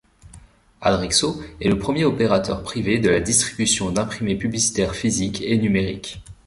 Adrexo est le premier opérateur privé de la distribution d’imprimés publicitaires physiques et numériques.